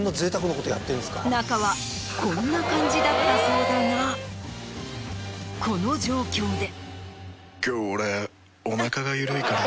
中はこんな感じだったそうだがこの状況で。